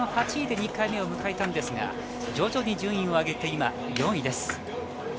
８位で２回目を迎えたんですが、徐々に順位を上げて今、４位です。